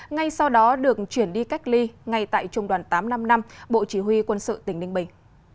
ngay sau đó được chuyển đi cách ly ngay tại trung đoàn tám trăm năm mươi năm bộ chỉ huy quân sự tỉnh ninh bình